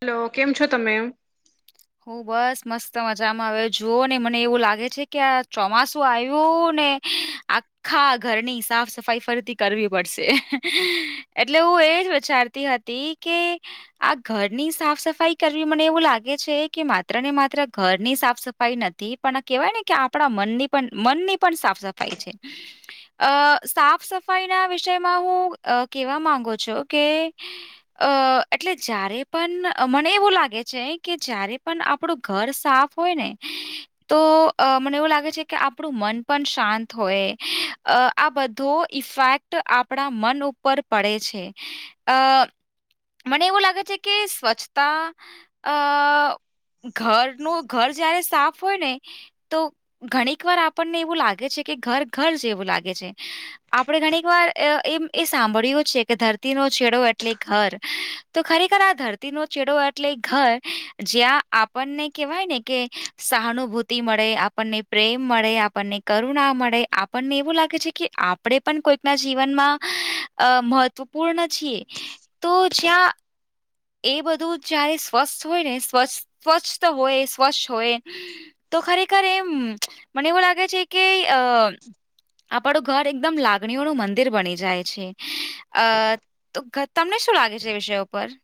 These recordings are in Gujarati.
હેલો કેમ છો તમે? [inaudible] બસ મસ્ત મજામાં આવ જુઓ ને મને એવું લાગે છે કે આ ચોમાસું આવ્યું ને આ- આખા ઘરની સાફ સફાઈ ફરીથી કરવી પડશે એટલે હું એજ વિચાર- હતી કે આ ઘરની સાફ સફાઈ કરવી મને એવું લાગે- કે માત્ર ને માત્ર ઘરની સાફ સફાઈ નથી પણ કહેવાય ને કે આપણા મનની- પણ મનની પણ સાફ સફાઈ છે. અ સાફ સફાઈ ના વિષયમાં હું કેવા માંગુ છું કે- અ એટલે જ્યારે પણ મને એવું લાગે છે. કે જયારે પણ આપડું ઘર સાફ હોય ને- તો મને એવું લાગે છે કે આપણું મન પણ શાંત હોય આ બધો ઇફેક્ટ- આપણા મન ઉપર પડે છે અ- મને એવું લાગે છે કે સ્વચ્છતા- અ ઘરનું ઘર જયારે સાફ હોય ને- તો ઘણીક વાર આપણને એવું લાગે છે કે ઘર ઘર જેવું લાગે છે. આપણે ઘણીક વાર એમ એ સાંભળ્યું છે કે ધરતીનો છેડો એટલે ઘર- તો ખરેખર આ ધરતી નો છેડો એટલે ઘર જ્યાં આપણને કેહેવાય ને કે- સહાનુભૂતિ મળે આપણને પ્રેમ મળે આપણને કરુણા મળે આપણને એવું લાગે છે કે- આપણે પણ કોઈકના જીવનમાં અ મહત્વપૂર્ણ છીએ તો જ્યાં- એ બધું જારે સ્વસ્થ હોય ને સ્વ સ્વચ્છ હોય સ્વચ્છ હોય- તો ખરેખર એમ મને એવું લાગે છે કે અ- આપણું ઘર એકદમ લાગણીઓનું મંદિર બની જાય છે અ- તો તમને શું લાગે છે એ વિષયો પર-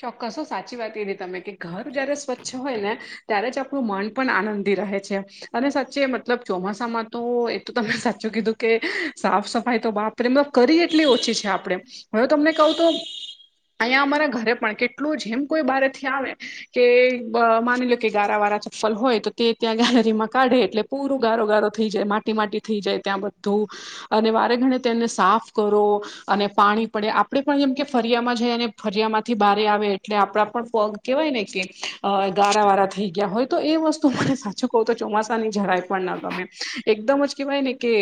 ચોક્કસો સાચી વાત એ ર તમે કે ઘર જયારે સ્વચ્છ હોય ને- ત્યારે જ આપણું મન પણ આનંદી રહે છે. અને સાચે મતલબ ચોમાસામાં તો એ તો તને સાચું કીધું કે સાફ સફાઈ તો બાપ- પ્રેમ કરી એટલી ઓછી છે આપણે હવે તમને કહું તો અહીંયા અમારા ઘરે- પણ કેટલું જ એમ કોઈ બાર થી આવે- કે માની લો કે ગારા વારા ચપ્પલ હોય તો તે ત્યાં ગેલેરીમાં કાઢે એટલે- પૂરું ગારો ગારો થઈ જાય માટી માટી થઈ જાય ત્યાં બધું- અને વારે ગણે તેને સાફ કરો- અને પાણી પડે આપણે પણ જેમ કે ફરિયામાં જઈ અને ફરિયામાં- થી બારે આવે એટલે આપણા પણ પગ કેહેવાય ને કે ગાારા વાળા થઈ ગયા હોય તો એ વસ્તુ [unintelligible] છો કહો તો ચોમાસાની જરાય પણ ના ગમે એકદમ જ કેહેવાય ને કે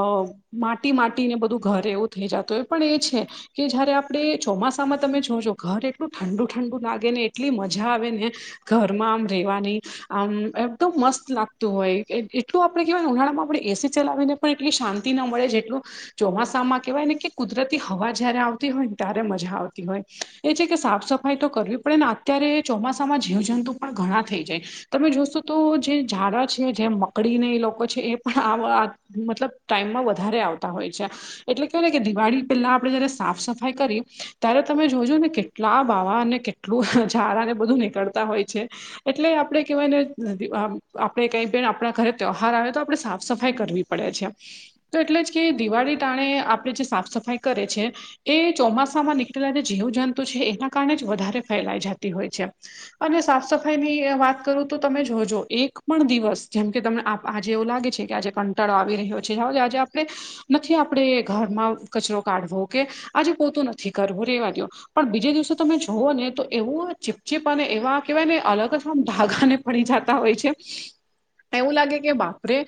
આ માટી માટીને બધું ઘરે એવું થઈ જતું હોય પણ એ છે કે જયારે આપણે ચોમાસામાં તમે જોજો ઘર એટલું ઠંડુ ઠંડુ લાગે ને એટલી મજા આવે ને ઘરમાં આમ રેવાની આમ એકદમ મસ્ત લાગતું હોય એટલું આપડે કેવાય ઉનાળા માં આપણે એસી ચલાવીને પણ એટલી શાંતિ ન મળે જેટલું ચોમાસામાં કેવાય ને કે કુદરતી હવા જયારે આવતી હોય ને ત્યારે મજા આવતી હોય. એ છે કે સાફ સફાઈ તો કરવી પડે ને અત્યારે ચોમાસામાં જીવજંતુ પણ ઘણા થઈ જાય. તમે જોશો તો જે ઝાડા છે જે મકડીને એ લોકો છે એ પણ આ મતલબ ટાઈમમાં વધારે આવતા હોય છે એટલે કેવાય કે દિવાળી પેલા આપડે જયારે સાફ સફાઈ કરી ત્યારે તમે જોજો ને કેટલા બાવા અને કેટલું ઝારાને બધું નીકળતા હોય છે. એટલે આપડે કેહેવાય ને આપડે કઈ બેન આપણા ઘરે ત્યહાર આવે તો આપડે સાફ સફાઈ કરવી પડે છે. તો એટલે જ કે દિવાળી ટાણે આપે જે સાફ સફાઈ કરે છે એ ચોમાસામાં ની એટલા જે જીવજંતુ છે એના કારણે જ વધારે ફેલાય જતી હોય છે. અને સાફ સફાઈ ની વાત કરું તો તમે જોજો એક પણ દિવસ જેમ કે તમે આજે એવું લાગે છે કે આજે કંટળો આવી રહ્યો છે જાઓ આજે આપણે નથી આપણેે ઘરમાં કચરો કાઢવો કે આજે પોતું નથી કરવું રેવા દઓ. પણ બીજે દિવસે તમે જુઓ ને તો એવું ચીપચીપ અને એવા કેવાય ને અલગ આમ ધાગાને પડી જતા હોય છે ને એવું લાગે કે બાપરે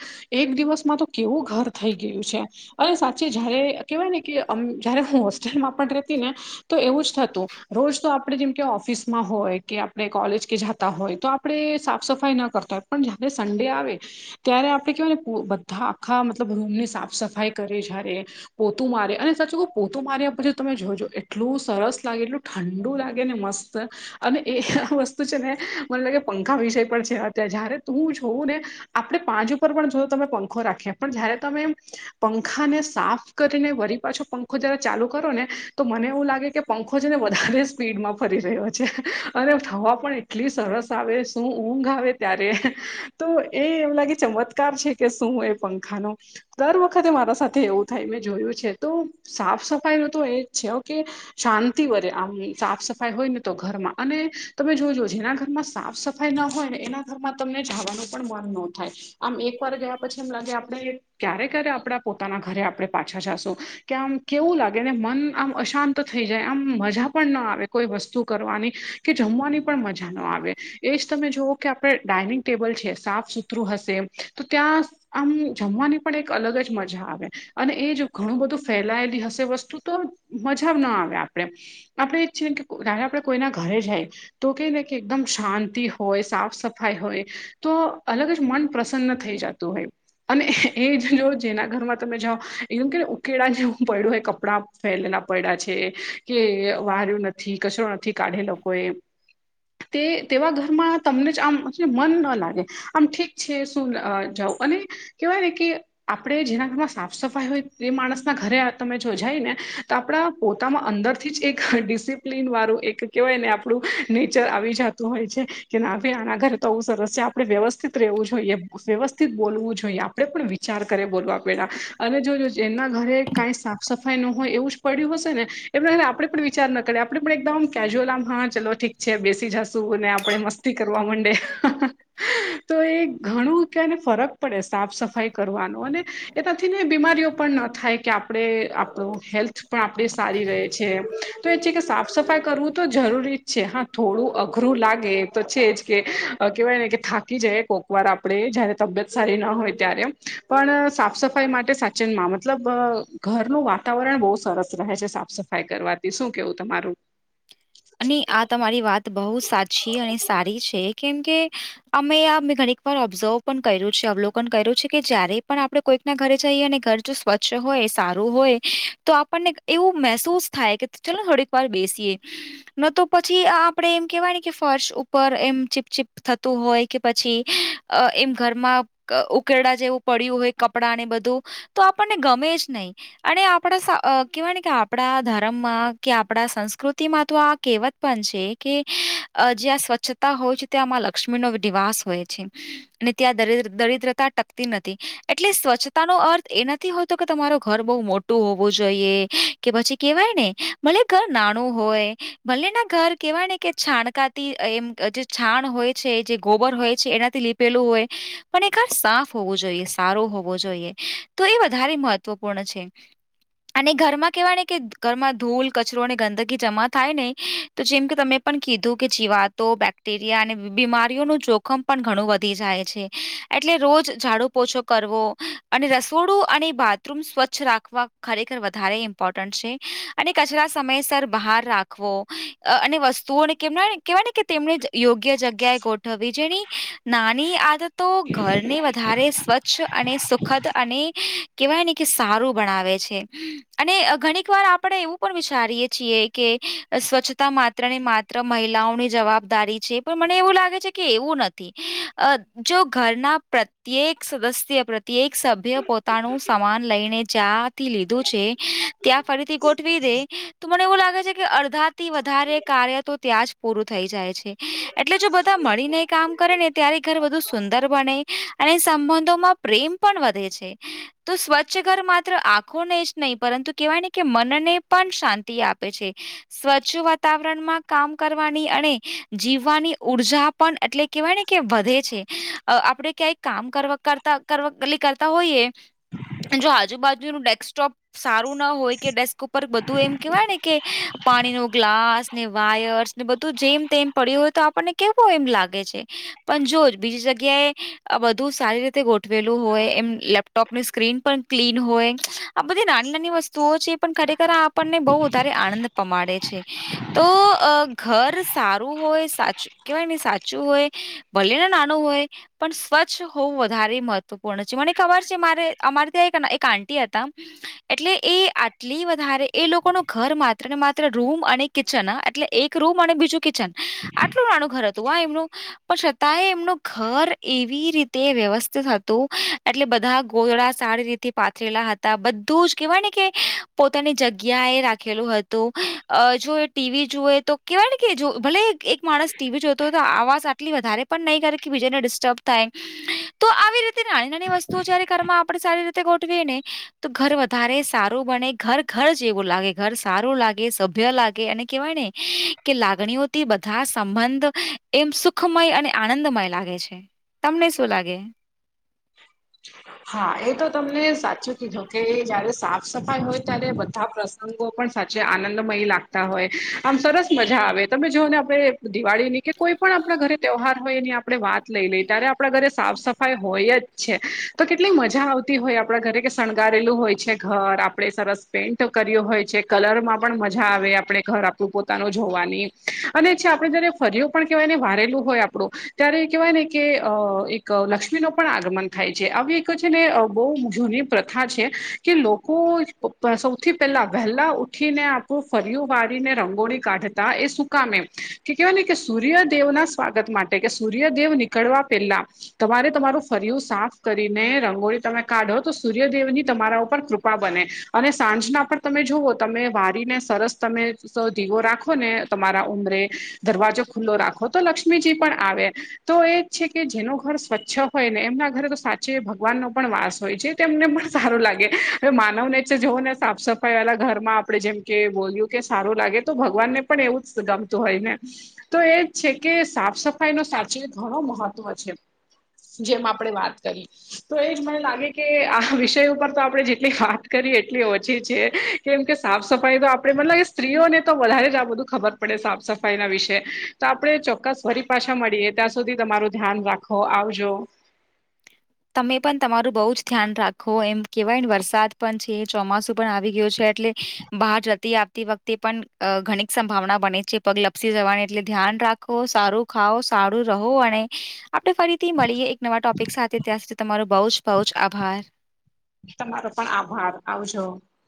એક દિવસમાં તો કેવું ઘર થઈ ગયું છે. અવે સાચી જયારે કેવાય ને કેમ આમ જયારે હું હોસ્ટેલમાં પણ રતી ને તો એવું જ થું તું રોજ તો આપણે જેમ કે ઓફિસમાં હોય કે આપણે કોલેજ કે જતા હોય તો આપણે સાફ સફાઈ ના કરતા હોય પણ જય્યારે સન્ડે આવે ત્યારે આપડણે કેવાય ને બધા આખા મતલબ રૂમની સાફ સફાઈ કરી જ્યારે પોતું મારે અને સાચું કહું પોતું માર્યા પછી તમે જોજો એટલું સરસ લાગે એટલું ઠંડુ લાગે ને મસ્ત અને એ આ વસ્તુ છે ને મને લાગે પંખા વિષય પણ છે અત જયારે તું જોઉં ને આપણેે પાંચ ઉપર પણ જો તમે પંખો રાખીએ પણ જયારે તમે પંખાને સાફ કરીને વરી પાછો પંખો જરા ચાલુ કરો ને તો મને એવું લાગે કે પંખો છે ને વધારે સ્પીડમાં ફરી રહ્યો છે અને હવા પણ એટલી સરસ આવે શું ઊંઘ આવે ત્યારે તો એ એમ લાગે ચમત્કાર છે કે શું એ પંખાન. દર વખતે મારા સાથે એવું થાય મેં જોયું છે તો સાફ સફાઈ ન તો એજ છે કે શાંતિ વરેે આમ સાફ સફાઈ હોય ને તો ઘરમાં અને તમે જોજો જેના ઘરમાં સાફ સફા સફાઈ ના હોય ને એના ઘરમાં તમને જવાનું પણ મન ન થાય આમ એક વાર ગયા પછી એમ લાગે આપણે ક્યારે ક્યારે આપડા પોતાના ઘરે આપણે પાછા જાશું કે આમ કેવું લાગે ને મન આમ અશાંત તો થઈ જાય આમ મજા પણ ના આવે કોઈ વસ્તુ કરવાની કે જમવાની પણ મજા ના આવે. એ જ તમે જોવ કે આપણે ડાઇનિંગ ટેબલ છે સાફ સુથરું હશે તો ત્યાં આમ જમવાની પણ એક અલગ જ મજા આવે અને એ જો ઘણું બધું ફેલાયેલી હશે વસ્તુ તો મજા ના આવે આપડે આપડે એ જ છીએ કે તારે આપણેે કોઈના ઘરે જાય તો કે ને કે એકદમ શાંતિ હોય સાફ સફાઈ હોય. તો અલગ જ મન પ્રસન્ન થઈ જતું હોય. અને એ જ જો જેના ઘરમાં તમે જાઓ એમ કેને ઉકેળા જેવું પડ્યું એ કપડાં ફાયલેલા પડ્યા છે કે વાર્યું નથી કશરો નથી કાઢે લોકો એ તે તેવા ઘરમાં તમને જ આમ મન ન લાગે આમ ઠીક છે. [unintelligible] જાવ અને કેવાય ને કે આપણે જેના ઘરમાં સાફ સફાઈ હોય તે માણસના ઘરે તમે જો જાય ને તો આપણા પોતામાં અંદરથી જ એક ડિસિપ્લિન વાળું એક કહેવાય ને આપણું નેચર આવી જત હોય છે કે ભ આના ઘરે તો સરસ છે આપણે વ્યવસ્થિત રહેવું જોઈએ વ્યવસ્થિત બોલવું જોઈએ આપણે પણ વિચાર કરી બોલવા પેલા અને જોજ એના ઘરે કાંઈ સાફ સફાઈ ન હોય એવું જ પડ્યું હશે ને એમ આપણેે પણ વિચાર ન કરીએ આપણે પણ એકદમ કેજ્યુઅલ આમ હા ચલો ઠીક છે બેસી જાસુ ને આપડે મસ્તી કરવા માંડે તો એ ઘણું કને ફરક પડે સાફ સફાઈ કરવાનો અને એનાથી ને બીમારીઓ પણ ન થાય કે આપણે આપણો હેલ્થ પણ આપણે સારી ર છે તો એ છે કે સાફ સફાઈ કરવું તો જરૂરી જ છે હા થોડું અઘરું લાગે તો છે જ કે કહેવાય ને કે થાકી જાય કોકવાર આપણે જયારે તબિયત સારી ના હોય ત્યારે પણ સાફ સફાઈ માટે સાચનમાં મતલબ ઘરનું વાતાવરણ બહુ સરસ રહે છે સાફ સફાઈ કરવાથી શું કેવું તમારું અને આ તમારી વાત બહુ સાચી અને સારી છે કેમ કે અમે આ મેં ઘણીક વાર ઓબ્ઝર્વ પણ કર્યું છે અવલોકન કર્યું છે કે જ્યારેારે પણ આપડ કોઈક ના ઘરે જઈએ અને ઘર જો સ્વચ્છ હોય સારું હોય તો આપણને એવું મહેસૂસ થાય કે ચાલો થડ એક વાર બેસીએ ન તો પછી આપડે એમ કેહેવાયને કે ફર્શ ઉપર એમ ચીપચીપ થતું હોય કે પછી અ એમ ઘરમાં ઉકેરડા જેવું પડ્યું હોય કપડાં ને બધું તો આપણને ગમે જ નહીં અને આપણા કવાય ને કે આપડા ધર્મમાં કે આપડા સંસ્કૃતિમાં તો આ કહેવત પણ છે કે જ્યાં સ્વચ્છતા હોય છે ત્યાંમાં લક્ષ્મી નો નિવાસ હોય છે અનેને ત્યાં દરિદ્રતા ટકતી નથી એટલે સ્વચ્છતા નો અર્થ એ નથી હોય તો કે તમાર ઘર બહ મોટું હોવું જોઈએ કે પછી કેવાય ને મળલે ઘર નાનું હોય ભલ્ને ના ઘર કેહેવાય ને કે છાણકાતી એમ જે છાણ હોય છે જે ગોબર હોય છે એનાથી લ લું હોય પણ એર સાફ હોવું જોઈએ સારું હોવું જોઈએ તો એ વધારે મહ ત્વપૂર્ણ છે અને ઘરમાં કેહેવાય ને કે ઘરમાં ધૂલ કચરો અને ગંદકી જમા થાય ને તો જેમ કે તમે પણ કીધું કે જીવાતો બેક્ટેરિયા અને બીમારીઓનું જોખમ પણ ઘણું વધી જાય છે એટલે રોજ ઝાડુ પોછો કરવો અને રસોડું અને ભાત રૂમ સ્વચ્છ રાખવા ખરેખર વધારે ઇમ્પોર્ટન્ટ છે અને કચરા સમયસર બહાર રાખવો અને વસ્તુઓને કેમ ના હોય ને કેવાય ને કે તેમણે યોગ્ય જગ્યાએ ગોઠવવી જેની નાની આદતો ઘરને વધારે સ્વચ્છ અને સુખ દખત અને કેવાય ને કે સારું બનાવે છે અને ઘણીક વાર આપણે એવું પણ વિચારીયએ છીએ કે સ્વચ્છતા માત્ર ને માત્ર મહિલાઓની જવાબદારી છે પણ મને એવું લાગે છે કે એવું નથી અ જો ઘરના પ્રત્યેક સદસ્ય પ્રત્યેક સભ્ય પોતાનું સમાન લઈને જ થી લીધું છે ત્યાં ફરીથી ગોઠવી દે તો મને એવું લાગે છે કે અધ વધારથી વધારે કાર્ય તો ત્યાં જ પૂરું થઈ જાય છે એટલે જો બધા મળીને કામ કરે ને ત્યારે ઘર બધું સુંદર બને અને સંબંધોમાં પ્રેમ પણ વધે છે તો સ્વચ્છ ઘર માત્ર આખોને જ નહીં પરંતુ કેહેવાય ને કે મનને પણ શાંતિ આપે. સ્વચ્છ વાતાવરણમાં કામ કરવાની અને જીવવાની ઉર્જા. પણ એટલે કેહેવાય ને કે વધે છે આપડે ક્યાંય કામ કરતા હોઈએ જો આજુબાજુનું ડેસ્કટોપ. સારું ના હોય કે ડેસ્ક ઉપર બધું એમ કેવાય ને કે પાણી ન ગ્લાસ ને વાયર્સ ને બધું જેમ તેમમ પડ્યું હોય તો આપણને કેવું એમ લાગે છે. પણ જો જ બીજી જગ્યાએ બધુ સારી રીતે ગોઠવેલું હોય એમ લેપ. ટોપની સ્ક્રીન પણ ક્લીન હોય આ બધી નાની નાની વસ્તુઓ છે પણ ખરેખર આપને બહુ વધારે આનંદ. પમાડે છે તો ઘર સારું હોય સાચું કેવાય ને સાચું હોય. ભલે ના નાનું હોય. પણ સ્વચ્છ હોવું વધારે મહત્વપૂર્ણ છે મને ખબર છે મારે અમારે ત્યાં એક એક આંટી હતા એટલે એ આટલી વધારે એ લોકો ન ઘર મા તને માત્ર રૂમ અને કિચન એટલે એક રૂમ અને બીજું કિચન. [inaudible] કેટલું નાનું ઘર હતું હો એમનું. પણ છતાંય એમનું ઘર એવી રીતે વ્યવસ્થિત હતું એટલે બધા. ગોદળા સારી રીતે પાથરેલા હતા બધું જ કહેવાય ને કે પોતાની જગ્યા એ રાખેલું હતું. તો જો ટીવી જોુએ તો કેવાય ને કે ભલે. એક માણસ ટીવી જોતો હતો આવાજ વધ પણ નહી કર બીજાને ડિસ્ટર્બ થાય તો આવી રી નાની નાની વસ્તુઓ જયારે ઘરમાં આપણે સારી. ગોઠવી ને તો ઘર વધારે સારું બને ઘર ઘર જેવું લાગે ઘર. સારું લાગે સભ્ય લાગે અને કેવાય ને કે લાગણીઓથી બધા સંબંધ. એમ સુખમય અને આનંદમય લાગે છે તમને શું લાગે છે? [inaudible] હા એ તો તમને સાચું કીધું કે જયારે સાફ સફાઈ હોય ત્યારે બધા પ્ર અંગો પણ સાચે આનંદમય લાગતા હોય આમ સરસ મજા આવે તમે જોઓ ને આપણે. દિવાળી ની કે કોઈ પણ આપણા ઘરે તહેવાર હોય એની આપણે વાત. લઈ લઈ ત્યારે આપણા ઘરે સાફ સફાઈ હોય જ. તો કેટલી મજા આવતી હોય આપણા ઘરે કે શણગારેલું હોય છે ઘર આપડે સરસ. પેઇન્ટ કર્યો હોય છે કલર માં પણ મજા આવે આપણે ઘર આપું પોતાનું જોવાની. અને છે આપડણે જયારે ફરયો પણ કેહેવાય ને વારેલું હોય આપણું ત્યારે કેહેવાય ને કે અ લક્ષ્મી નો પણ. ગમન થાય છે આવી એક છે ને બહુ જૂની પ્રથા છે કે લોકો સૌથી પહેલા વહેલા ઉઠીને આપણું ફરિય વારીને રંગોળી કાઢતા એ સુકામે. કે કેહેવાય ને કે સૂર્યદેવ ના સ્વાગત માટે કે સૂર્યદેવ નીકળવા પહેલા તમારે તમારું. ફરું સાફ કરીને રંગોળી તમે કાઢો તો સૂર્યદેવ ની તમારા ઉપર કૃપા બને. અને સાંજના પર તમે જુવઓ તમે વારીને સરસ તમે ધીવો રાખો ને તમારા ઉમરે. દરવાજો ખુલ્લો રાખો તો લક્ષ્મીજી પણ આવે તો એ જ છે કે જેનું ઘર સ્વચ્છ હોય ને એમના ઘરે તો સાચી ભગવાન ન પણ વાસ હોય છે તેમ એમને પણ સારો લાગે. હ માનવ નેચર જવો ને સાફ સફાઈ વાલા ઘરમાં આપણે જેમ કે બોલ્યું કે સારું લાગે તો ભગવાન ને પણ એવું જ ગમતું હોય ને. તો એજ છે કે સાફ સફાઈ નો સાચું ઘણો મહત્વ છે. જેમાં આપણે વાત કરી તો એજ મને લાગે કે આ વિષય ઉપર તો આપડણે જેટલી વાત કરીએ એટલી ઓછી છે. કેમ કે સાફ સફાઈ તો આપણેે મતલબ કે સ્ત્રીઓને તો વધારે જ આ બધું ખબર પડે સાફ સફાઈ ના વિશે. તો આપડણે ચોક્કસ ફરી પાછા મળીએ ત્યાં સુધી તમારું ધ્યાન રાખો આવજો. તમે પણ તમારું બહુ જ ધ્યાન રાખો એમ કેવાય વરસાદ પણ છે એ ચોમાસું પણ આવી ગયું છે એટલે. બહાર જતી આવતી વખતે પણ ઘણીક સંભાવના બને છે પગ લપસી જવાની એટલે ધ્યાન રાખ વુ સારું ખાાવ સારું રહો અને આપણે ફરી થી મળીએ એક નવા ટોપિક સાથે ત્યાં સુધી તમારો બહુ જ બહુ જ આભાર તમારો પણ આભાર આવજો.